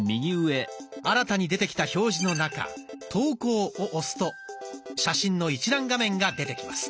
新たに出てきた表示の中「投稿」を押すと写真の一覧画面が出てきます。